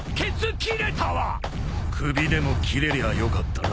首でも切れりゃよかったな。